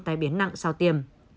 tai biến nặng sau tiêm